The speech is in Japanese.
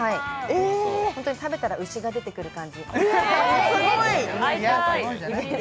食べたら牛が出てくる感じ。